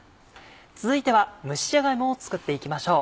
続いては蒸しじゃが芋を作っていきましょう。